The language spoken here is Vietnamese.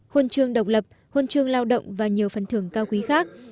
huân trường độc lập huân trường lao động và nhiều phần thường cao quý khác